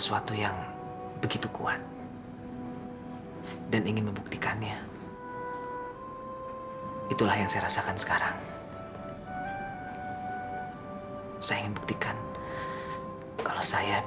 sampai jumpa di video selanjutnya